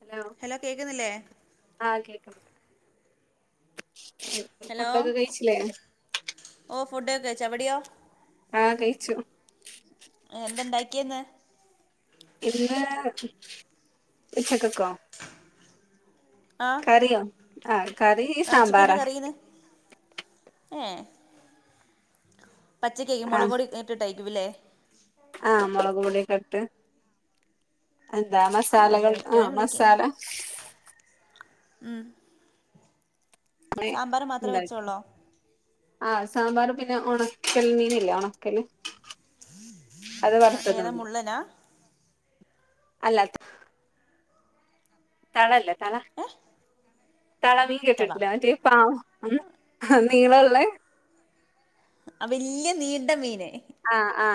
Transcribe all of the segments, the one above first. Hello ആ കേൾക്കാണ്ട് [unintelligible] hello food ഒക്കെ കഴിച്ചില്ലേ ച്ച വടിയോ ആ കയ്ച്ചു [unintelligible] ഇന്ന് ഉച്ചക്കക്കോ ആഹ് കറിയോ ആ ആ ഉച്ചക്ക് എന്നാ കറിന്ന് ഏ പച്ചക്ക് മുളകൊടി ഇട്ടിട്ട് കയ്യിക്കുലേ ആ മൊളക് പൊടി ഒക്കെ ഇട്ട് എന്താ ആ അല്ല മസാലകൾ ആ മിക്കവരും മസാല. ഉം അങ്ങനെ സാമ്പാർ മാത്ര വെച്ചോള്ളാ ആ സാമ്പാറും പിന്നെ ഒണക്കൽ മീന് ല്ലേ ഒണക്കല് ആ ഏതാ മുള്ളനാ അല്ല [unintelligible] തള ല്ലേ തള ഏഹ് തളമീ കെട്ടിട്ടില്ല മറ്റേ പ ഉം ഹ നീളള്ളെ അ വല്യ നീണ്ട മീന് ആ ആ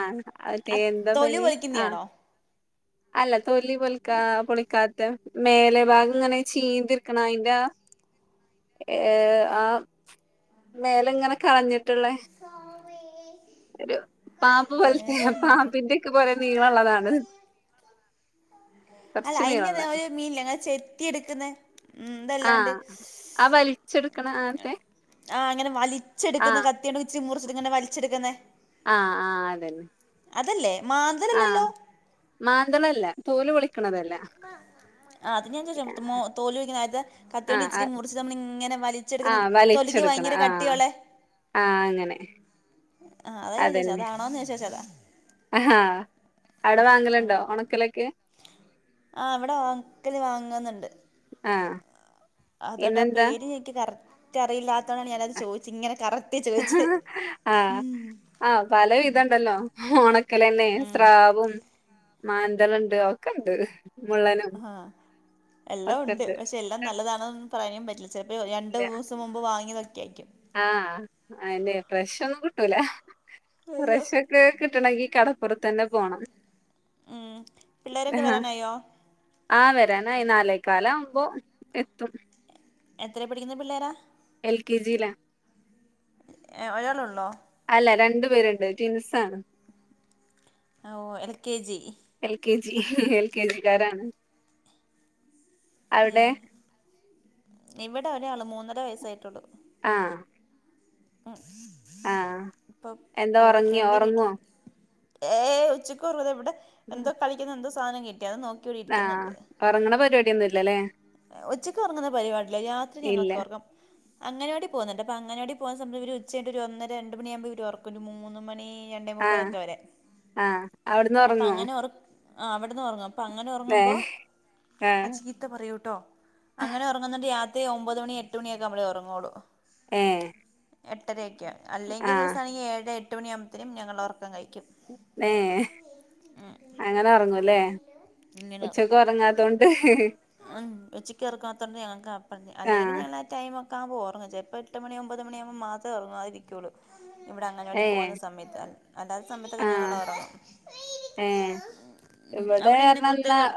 മന്റ ആ എന്താപ തൊലി അയ്ന് ആ പൊളിക്കുന്നയാണോ അല്ല തോലി പൊലിക്കാ പൊളിക്കാ മേലെ ഭാഗം ങ്ങനെ ചീതിർക്കണ അയിന്റെ ആ ഏ ആ മേല ങ്ങനെ കളഞ്ഞിട്ട്ള്ളേ ഒരു പാമ്പ് പോല്ത്തെ വേറെ മാത്രം പാമ്പിന്റെ ഒക്കേ പോലെ നീളള്ളതാണ് അല്ല കൊറച്ച് അയിന്റെ നീളള്ളെ ഒരു മീൻ ല്ലേ ങ്ങനെ ചെത്തി എട്ക്ക്ന്ന ആ ആവലിച്ചെടുക്ക്ണ അൻത്തെ ആ അങ്ങനെ വലിച്ചെടുക്ന്ന കത്തിയോന്ട് ഇച്ചി മുറിച്ചിട്ട്ങ്ങനെ വലിച്ചെടുക്ക്ന്നേ ആ ആ അതെന്നെ അതല്ലേ ആ മാന്തലല്ലല്ലോ മാന്തളല്ല തോല് പൊളിക്ക്ണതല്ല ആ അതിന [unintelligible] തോലു [unintelligible] കത്തിയോണ്ട് ഇച്ചിരി ആഹ് മുറിച്ച് നമ്മളിങ്ങനെ വലിച്ചെടുക്കുന്നത് തൊലി [unintelligible] വയങ്കര കട്ടിയുള്ളെ ആ അങ്ങനെ. ആ അതാ ഞാൻ ചേദിച്ചേ അതാണോന്ന് [unintelligible] അതാ. ആ അവിടെ വാങ്ങലുണ്ടോ ഒണക്കലൊക്കെ? ആ ഇവടെ വ ഒണക്കല് വാങ്ങ്ന്ന്ണ്ട്. ആഹ് അതൊണ്ട ആ ഇന്നെന്താ പേര് എനിക്ക് കറക്റ്റ് അറിയില്ലാത്തോണ്ടാണ് ഞാനത് ചോദിച്ചത് ഇങ്ങനെ. കറക്റ്റ് ചോദിച്ചത് ആ ആ പല വിധണ്ടല്ലോ ഒണക്കലന്നെ ഉം സ്രാവും മാന്തല്ണ്ട് ഒക്കെണ്ട്. മുള്ളനും ആ എല്ലാം ഒണ്ട് ഒക്കെണ്ട് പക്ഷെ എല്ലാം നല്ലതാണൊന്നു പറയാൻ പറ്റില്ല ചെലപ്പോ രണ്ടുസം മുമ്പ് വാങ്ങി ആ അയിന്നെ ഫ്രഷോന്നും കുട്ടൂല. അല്ല ഫ്രഷോക്കെ കിട്ടണങ്കി കടപ്പുറത്തന്നെ പോണം. ഉം പിള്ളേരെക്കെ വരാനായോ? ആഹ് വരാനായി നാലേകാലമ്പോ എത്തും. എത്രെ പഠിക്കുന്ന പിള്ളേരാ? എൽ കെ ജി ലാ. ഏ ഒരാളെള്ളോ? ല്ല രണ്ട് പേരുണ്ട് ട്വിൻസാണ്. ഓ L K G? L K G കാരാണ്. ഏ ഇവിടൊരാള് മൂന്നര വയസ്സായിട്ടുള്ളു. ആ ആ ഇപ്പൊ എന്താ ഒറങ്ങിയോ ഒറങ്ങുവോ? ഏയ്‌ ഉച്ചകോറങ്ങുല ഇവിടെ എന്തോ കളിക്കുന്ന എന്തോ സാനം കിട്ടി. അത് നോക്കി ഇവിടെ ആ ഒറങ്ങണ പരിപാടിയൊന്നുല്ലലേ? ഒച്ചക്കൊറങ്ങുന്ന പരിപാടില്ല രാത്രി ഇല്ല ഞങ്ങക്കൊറക്കം. അങ്ങനവാടി പോന്നുണ്ട് അപ്പ അങ്ങനവാടി പോകുന്ന സമയം ഇവര് ഉച്ചകഴിഞ്ഞിട്ടൊരു ഒന്നര രണ്ട് മണിയാകുമ്പ ഇവരൊറക്കും ഒരു മൂന്ന് മണി ആഹ് രണ്ടേമുക്കാലൊക്കെ വരെ ആഹ് അവിടുന്ന് അപ്പ ഒറങ്ങോ അങ്ങനെ ഒറ ആ അവിടന്ന് ഒറങ്ങും. പ്പങ്ങനെ ഏ ഒറങ്ങുമ്പോ ആ അങ്ങനെ ഒറങ്ങുന്ന രാത്രി ഒമ്പത് മണി എട്ട് മണിയൊക്കെയാമ്പളെ ഒറങ്ങോള്ളൂ. ഏ എട്ടരക്കെയാ ആ അല്ലെങ്കിദിവസാണെങ്കി ഏഴേ എട്ട് മണിയാമ്പത്തേനും ഞങ്ങളൊറ ഏ ഉം അങ്ങനെ ഒറങ്ങൂലേ ഇങ്ങനെ ഉറങ്ങും ഉച്ചക്കൊറങ്ങാത്തോണ്ട്? ഉം ഉച്ചക്കൊറക്കാത്തോണ്ട് ഞങ്ങക്ക് അപ്പഴ ആ അല്ലെങ്കി ഞങ്ങളാടൈമൊക്കെ ക്കാമ്പോറങ്ങും ചെൽപ്പോ എട്ട് മണി ഒമ്പത് മണിയാമ്പ മാത്രേ ഒറങ്ങാതിരിക്കൊള്ളൂ. ഇവിടെ അങ്ങനവാടി ഏ പോന്ന സമേത്ത് അല്ലാത്ത സമേത്തൊക്കെ ആ ഞങ്ങളൊറങ്ങും. ഏ ഇവിടെ അവിടെ എങ്ങനെ [unintelligible] കുരുത്തക്കേട്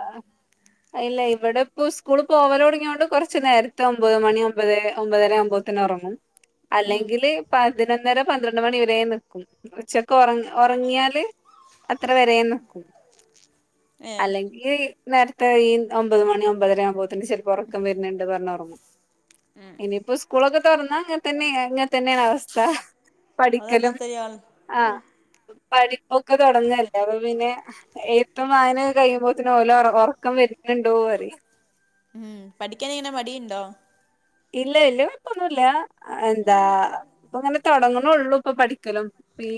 ഇല്ല ഇവിടെപ്പം സ്കൂളി പ്പോവാലൊടങ്ങിയൊണ്ട് കൊറച്ച് നേരത്തെ ഒമ്പത് മണി ഒമ്പത് ഒമ്പതര ആമ്പതേനും ഒറങ്ങും. ഉം അല്ലെങ്കില് പതിനൊന്നര പന്ത്രണ്ട് മണി വരെ നിക്കും ഉച്ച ക്കൊറ ഒറങ്ങിയാല് അത്ര വരെ നിക്കും ഏഹ് അല്ലെങ്കി നേരത്തെ ഈ ഒമ്പത് മണി ഒമ്പതര ആവുമ്പോത്തനും ചെലപ്പോ ഒറക്കം വരുന്നുണ്ട് പറഞ്ഞ് ഒറങ്ങു. ഉം ഇനിയിപ്പോ സ്കൂളൊക്കെ തൊറന്നാ അങ്ങനെ തന്നെ ഇങ്ങൻ തന്നെയാണ് അവസ്ഥ. അതങ്ങൻ പഠിക്കലും തന്നെയാണ്. ആ പഠിപ്പൊക്കെ തൊടങ്ങ ല്ലേപ്പ പിന്നെ എഴുത്തും വായനൊക്കെ കഴിയുമ്പോത്തനും ഓലോ ഒറക്കം വരുന്നുണ്ടോറയും. ഉം പഠിക്കാനങ്ങനെ മടിണ്ടോ? ഇല്ല ഇല്ല വലിയകൊയപ്പൊന്നുല്ല എന്താ ഇപ്പ ഇങ്ങനെ തുടങ്ങ. ഉള്ളൂ ഇപ്പൊ പഠിക്കലും ഈ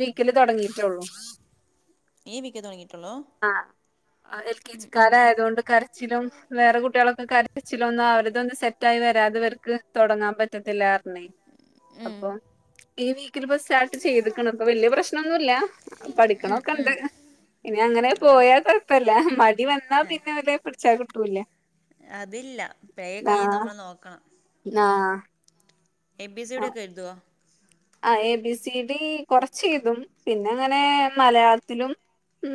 വീക്കില് തുടങ്ങീട്ടേള്ളു. ഈ വീക്ക്‌ തൊടങ്ങിയോ? ആ എൽ കെ ജി ഉം ഉം കാരായതുകൊണ്ട് കരച്ചിലും വേറെ കുട്ടികളൊക്കെ കരച്ചിലൊന്നും അവരതൊന്നും സെറ്റ ആയി വരാതെവർക്ക് തുടങ്ങാൻ പറ്റത്തില്ല അറിണെ. ഉം അപ്പൊ ഈ വീക്കിൽ ഇപ്പ സ്റ്റാർട്ട് ചെയ്ത്ക്ക്‌ണ് ഇപ്പൊ വല്യ പ്രശ്നമൊന്നുല്ല ഉം പഠിക്കണൊക്കെ ഉം ഇണ്ട്. ഇനി അങ്ങനെ അത് പോയാ കൊഴപ്പല്ല മടി വന്നാ പിന്നെ ഓലെ പിടിച്ചാൽ കിട്ടൂല. അതില്ല പേ കൈ നമ്മള് നോക്കണം ആഹ് എ ബി സി ഡി ഒക്കെ എഴുതൊ? ആ എ ബി സി ഡി കൊറചെയ്തും പിന്നെ ഇങ്ങനെ മലയാളത്തിലും.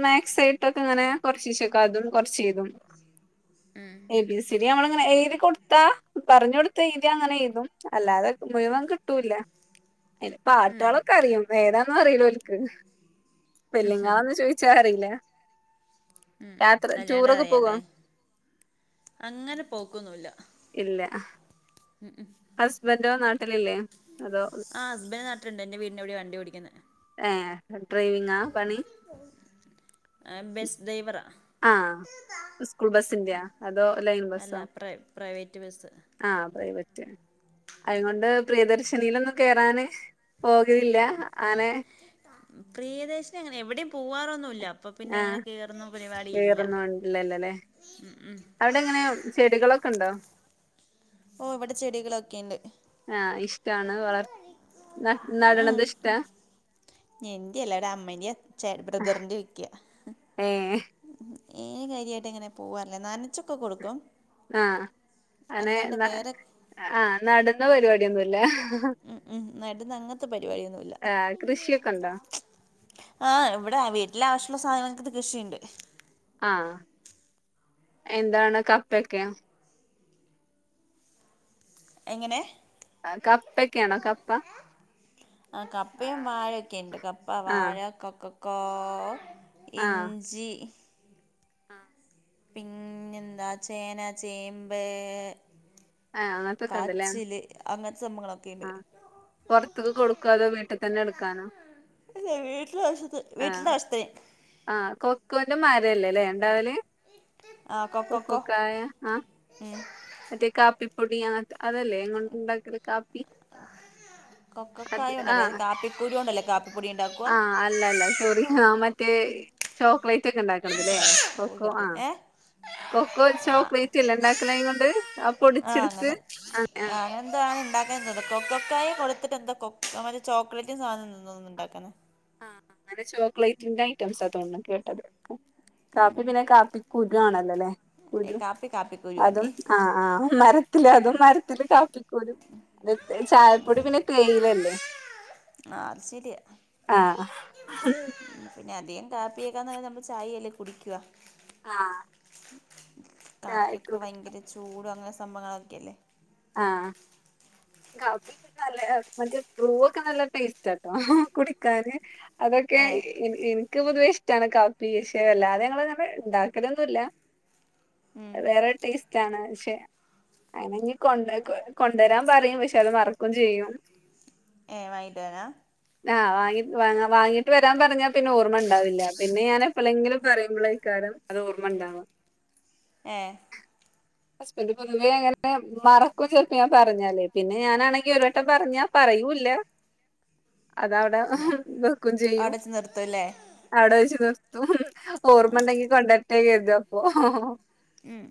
മാക്സ് ആയിട്ടൊക്കെ ഇങ്ങനെ കൊറചീച്ചക്ക അതും കൊറച്ച്തും ഉം എ ബി സി ഡി നമ്മളിങ്ങനെ എഴുതി കൊടുത്താ പറഞ്ഞു കൊടുത്ത എഴുതി അങ്ങനെ എഴുതും അല്ലാതെ മുഴുവൻ ട്ടൂല്ല അതിന്റെ ഉം പാട്ടാളൊക്കെ അറിയും ഏതാന്നും അറിയില്ലോ ഒക്ക്. സ്പെല്ലിങ്ങൾ ഒന്നും ചോദിച്ചാ അറിയില്ല. ഉം യാത്ര അല്ലാണ്ട് ടൂറൊക്കെ പോവോ അറിയല്ലേ അങ്ങനെ പോക്കൊന്നുംല്ല. ഹസ്ബൻഡോ നാട്ടിലില്ലേ? അതോ ആ ഹസ്ബന്റ് നട്ട്ടിൽണ്ട് എന്റെ വീടിന്റെ ഇവിടെ വണ്ടിഓടിക്കുന്നത്. ഏ ഡ്രൈവിങ്ങാ പണി? ബസ് ഡ്രൈവറാ ആഹ സ്കൂൾ ബസിന്റെയാ അതോ ലൈൻ അല്ല ബസോ? പ്രൈ പ്രൈവറ്റ് ബസ് ആഹ് പ്രൈവറ്റ്. അയ്കൊണ്ട് പ്രിയദർശിനീലൊന്നും കേയറാന് ഓ ല്ല ആനെ ല്ല അപ്പൊ പിന്നെ അങ്ങനെ കയറുന്ന പരിപാടി ഇല്ല. കേറുന്നുല്ലല്ലോല്ലേ. അവിടെ എങ്ങനെ ചെടികളൊക്കെണ്ടോ? ഓ ഇവിടെ ചെടികളൊക്കെ ഉണ്ട് ആഹ് ഇഷ്ടമാണ് വളർ ന നടണത് ഇഷ്ട? എന്റെ അല്ലട അമ്മന്റെ ച ബ്രദറിന്റെ ഒക്കയാ. ഏഹ് ഏ കാര്യമായിട്ട് എങ്ങനെ പോകല്ലേ നനച്ചൊക്കെ കൊടുക്കും. ആഹ് അനെ അല്ലാണ്ട് വേറെ ആഹ് നടന്ന പരിപാടിയോന്നുംല്ല? ഉം ഉം നട്ന്ന അങ്ങത്തെ പരിപാടിയൊന്നുമല്ല. കൃഷിയൊക്കെ ഉണ്ടോ? ആഹ് ഇവിടെ വീട്ടിലെ ആവശ്യമുള്ള സാധനങ്ങൾക്കത് കൃഷിയുണ്ട്. ആഹ് എന്താണ് കപ്പെക്കെ? എങ്ങനെ? കപ്പക്കെയാണോ കപ്പ. ആ കപ്പയും ആഹ് വാഴൊക്കെണ്ട് കപ്പ ആഹ് വാഴ കക്കക്കോ. ഇഞ്ചി. ആഹ് പിന്നെന്താ ചേന ചേമ്പ്. ആഹ് അങ്ങനത്തൊക്കെ ഉണ്ടല്ലേ. കാച്ചില് അങ്ങനത്തെ സംഭങ്ങളൊക്കണ്ട്. പൊർത്തുക്ക് കൊടുക്കോ അതോ വീട്ടിൽ തന്നെ എടുക്കാനോ? അല്ലെ വീട്ടില വീട്ടിലവശ്യത്തിന് ആഹ കൊക്കുന്റെും മരല്ലേ അല്ലേ എണ്ടാവല്? ആ കൊക്കോ കൊക്കക്കോ ക്കായ ആഹ്. ഉം മറ്റേ കാപ്പിപ്പൊടി അങ്ങന അതല്ലേ എങ്ങോട്ടുണ്ടാക്കിയ കാപ്പി. [inaudible] അത് കൊക്കക്കായ ഉണ്ടല്ലോ ആഹ് കാപ്പിക്കുരു കൊണ്ടല്ലേ കാപ്പിപ്പൊടി ഉണ്ടാക്കുക ആഹ് അല്ല അല്ല ചൊ മറ്റേ ചോ ചോക്ലേറ്റ് ഒക്കെ ഉണ്ടാക്കണല്ലേ പോയി കൊക്കോ ആ കിടക്ക് ഏ കൊക്കോ ചോക്ലേറ്റ്ല്ല ഉണ്ടാക്കണ്. ആ അങ്ങനെ ആഹ് അങ്ങനെ എന്താണ് ഉണ്ടാക്കണ് തോന്നു ക്കൊക്കായി കൊടുത്തി. ഇത് എന്തോ കൊക്ക മര ചോക്ലേറ്റ് സാധനതോന്നുന്നു ഉണ്ടാക്കാന് ആഹ് അങ്ങനെ ചോക്ലേറ്റിന്റെ ഐറ്റംസാ തോന്നുന്നുകേട്ടത് കുരു ആണല്ലോല്ലേ കാപ്പി കാ അതും ആ ആ മരത്തില് അതും മരത്തില് കാപ്പിക്കുരു അ ചായപ്പൊടി പിന്നെ കയിലല്ലേ ആ അത് ശരിയാ ആ പിന്നെ അധികംകാപ്പിയേക്കാൾ നല്ല നമ്മൾ ചായയല്ലേ കുടിക്കുവാ ആഹ് കാപ്പിയൊക്കെ ചായപ്പൊടി ഭയങ്കര ചൂട അങ്ങനെ സംഭവങ്ങൾ ഒക്കെ അല്ലേ ആ കാപ്പി നല്ല മറ്റേ ബ്രൂവൊക്കെ നല്ല ടേസ്റ്റ്ആട്ടോ കുടിക്കാന് അതൊക്കെ ഏഹ് എനിക്ക് പൊതുവെ ഇ ഇഷ്ട്ടാണ് കാപ്പി പക്ഷെ വല്ലാതെ ഞ ങ്ങൾ ഇണ്ടാക്കലൊന്നുല്ല ഉം വേറെ ടേസ്റ്റ് ആണ് പക്ഷെ അയ് കൊണ്ട് കൊ കൊണ്ടുവരാൻ പറയും പക്ഷെ അത് മറക്കും ചെയ്യും ഏഹ് വാങ്ങിട്ട് വരാ ആ വാങ്ങിവാങ്ങിട്ട് വരാൻ പറഞ്ഞ പറഞ്ഞാ പിന്നെ ഓർമ്മ ഉണ്ടാവില്ല പിന്നെ ഞൻ എപ്പോഴെങ്കിലും പറയുമ്പോളക്കാരം ഏ ഹസ്ബന്റ് പൊതുവേ അങ്ങനെ മറക്കും ചെലപ്പം ഞാൻ പറഞ്ഞാലേ പിന്നെ ഞാനാണെങ്കി അത് അവിടെ വെക്കും ചെയ്യും അവിടെ വെച്ച് നിർത്തുംല്ലേ അവിടെ വെച്ച് നിർത്തും ഓർമ്മ ഉണ്ടെങ്കി കൊണ്ടരത്തെ കരുതും അപ്പൊ ഉം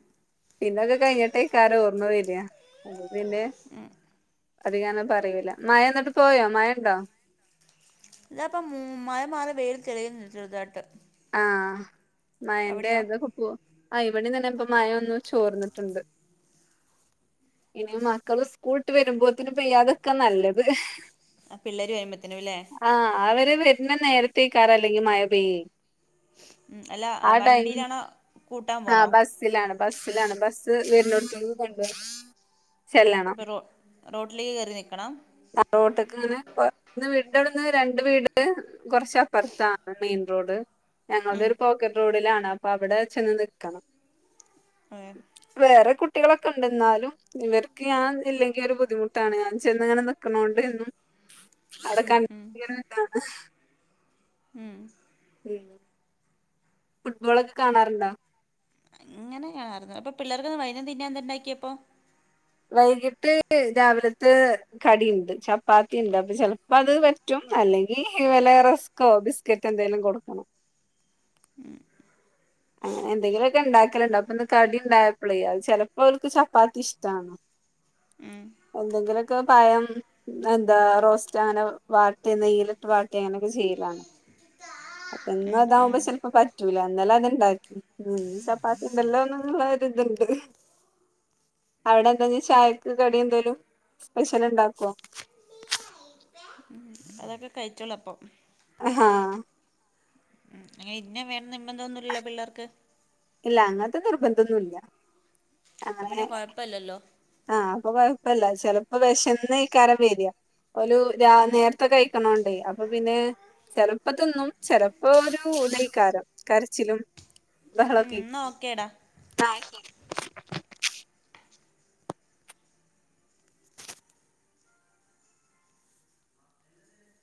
പിന്നൊക്കെ കഴിഞ്ഞിട്ടേകാരം ഓർമ്മ വര പിന്നെ ഉം അതികം അങ്ങനെ പറയില്ല മഴ എന്നിട്ട് പോയോ മഴ ഇണ്ടോ ഇതാപ്പൊ മഴമാറി വെയില തെളിയ ചെറുതായിട്ട് ആ അവിടെയോ ആ ഇവിടെ തന്നെ ഇപ്പൊ മഴൊന്നു ചോർന്നിട്ടുണ്ട് ഇനി മക്കള് സ്കൂൾട്ട് വരുമ്പോത്തിന് പെയ്യാത്ക്ക നല്ലത് ആ പിള്ളേരും വരുമ്പത്തിനുംല്ലേ ആഹ് അവര് വരുന്ന നേരത്തേക്കാരം അല്ലെങ്കിൽ മഴ പെയ്യൽ ഉം അല്ല വണ്ടിയിലാണോ കൂട്ടാൻ ആ പോണോ ബസ്സിലാണ് ബസ്സിലാണ് ബസ് വരണോട്ത് ചെല്ലണം ഇപ്പ റോ റോട്ടിലേക്ക് കയറി നിക്കണം റോട്ട്ക്ക് ഇങ്ങനെ ഇവിടുന്ന് രണ്ട് വീട് കൊറച്ച അപ്പുറത്താ മെയിൻ റോഡ് ഞങ്ങളത് ഉം ഒരു പോക്കറ്റ് റോഡിലാണ് അപ്പൊ അവിടെ ചെന്ന് നിക്കണം അതെ വേറെ കു ട്ടികളൊക്കെ ഇണ്ട് ഉണ്ടെന്നാലും ഇവർക്ക് ഞാൻ ഇല്ലെങ്കിൽ ഒരു ബുദ്ധിമുട്ടാണ് ഞാൻ ചെന്ന ഇങ്ങനെ നിക്കണണ്ട് എന്നും അവിടെ ഉം ഉം കണ്ടിട്ടില്ലേങ്കിൽ ഒര് ഇതാണ് ഉം ഉം ഫുട്ബോളൊക്കെ കാണാറുണ്ടൊ അങ്ങനെയായിരുന്നു അപ്പൊ പിള്ളേർക്ക് വൈന്നംതിന്നാ എന്തുണ്ടാക്കിയപ്പോ വൈകിട്ട് രാവിലതെ കടി ണ്ട് ചപ്പാത്തി ണ്ട് ചെലപ്പോ അത് പറ്റും അല്ലെങ്കി വല്ല റസ്കോ ബിസ്ക്കറ്റ് ന്തെലും കൊടുക്കണം ഉം അങ്ങനെ എന്തെങ്കിലുമൊക്കെ ഉണ്ടാക്കലുണ്ട അപ്പൊന്ന് കടി ണ്ടായപ്പളെ അത് ചെലപ്പോ ഓരിക്ക് ചപ്പാത്തി ഇഷ്ട്ടാണ് ഉം [inaudible] എന്തെങ്കിലുക്കൊ പഴം ന്താ റോസ്‌റ് ങ്ങനെ വാട്ടെ നെയ്യ്യിലിട്ട് വാട്ടെ അങ്ങനൊക്കെ ചെയ്യും കാണും അപ്പൊ എന്നും ഉം ഉം അതാകുപ്പൊ ചെലപ്പൊ പറ്റൂല ഇന്നലെ, ണ്ടാക്കി ഉം ചപ്പാത്തി ഇണ്ടല്ലോ ന്നുള്ളൊരു ഇത്ണ്ട് അവിടെ എന്താ ഇഞ് ചായക്ക് കടി എന്തേലും സ്പെഷ്യല് ഇണ്ടാക്കോ [unintelligible] അതൊക്കെ കഴിച്ചോളൂ അപ്പം ആഹ് അങ്ങനെ ഇന്ന വേണം നിമ്മന്തോന്നില്ലല്ലോ പിള്ളേർക്ക്? ല്ല അങ്ങൻത്തെ നിർബന്ധൊന്നുല്ല. അപ്പൊ അങ്ങനെ പിന്നെ കൊഴപ്പല്ലല്ലോ ആഹ് അപ്പൊ കൊഴ ഇപ്പല്ല ചിലപ്പോ വിശന്നയ്ക്കാരം വെര. ഓലു രാ ഉം നേര്ത്തെ കെഴിക്കണോണ്ട് ഏയ് അപ്പൊ പിന്നെ ചെലപ്പതിന്നും ചെലപ്പോ ഒരു ഇതൈക്കാരം കരച്ചിലും ഉം ബഹളോക്കേ എന്നാ ഓക്കേടാ [unintelligible]